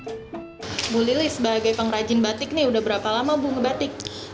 ibu lilis sebagai pengrajin batik ini sudah berapa lama ibu membatik